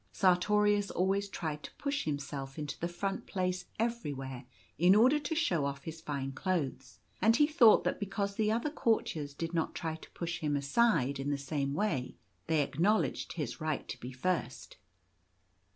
Sartorius always tried to push himself into the front place everywhere, in order to show off his fine clothes ; and he thought that because the other cour tiers did not try to push him aside in the same way, they acknowledged his right to be first.